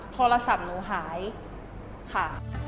โทรศัพท์หนูหายค่ะ